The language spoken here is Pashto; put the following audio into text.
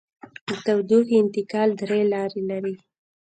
د تودوخې انتقال درې لارې لري.